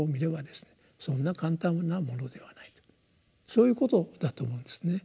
そんな簡単なものではないとそういうことだと思うんですね。